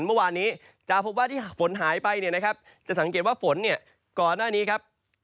เมื่อวานนี้จะพบว่าที่ฝนหายไปเนี่ยนะครับจะสังเกตว่าฝนเนี่ยก่อนหน้านี้ครับ